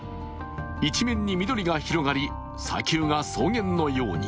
一面に緑が広がり砂丘が草原のように。